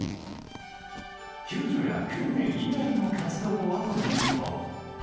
救助や訓練以外の活動はというと。